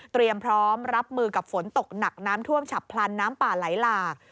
พร้อมรับมือกับฝนตกหนักน้ำท่วมฉับพลันน้ำป่าไหลหลาก